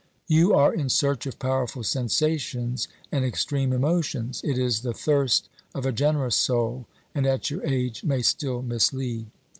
"You are in search of powerful sensations and extreme emotions ; it is the thirst of a generous soul and at your age may still mislead.